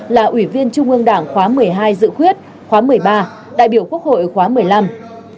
là ủy viên trung ương đảng khóa một mươi hai dự khuyết khóa một mươi ba đại biểu quốc hội khóa một mươi năm